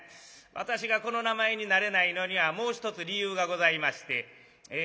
私がこの名前に慣れないのにはもう一つ理由がございましてえ